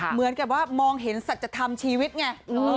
เหมือนกับว่ามองเห็นสัจธรรมชีวิตไง